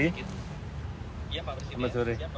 iya pak presiden